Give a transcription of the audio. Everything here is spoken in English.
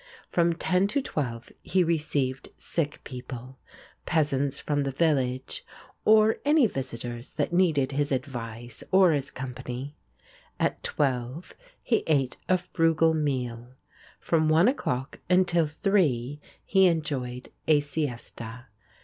From ten to twelve he received sick people, peasants from the village, or any visitors that needed his advice or his company. At twelve he ate a frugal meal. From one o'clock until three he enjoyed a siesta.